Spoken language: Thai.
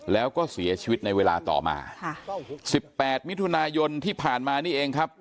แล้วก็เสียชีวิตในเวลาต่อมาค่ะสิบแปดมิถุนายนที่ผ่านมานี่เองครับ